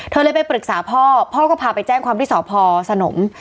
เลยไปปรึกษาพ่อพ่อก็พาไปแจ้งความที่สพสนม